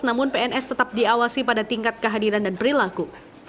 namun pns tetap diawasi pada tingkat kehadiran dan perilaku